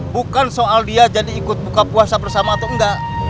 bukan soal dia jadi ikut buka puasa bersama atau enggak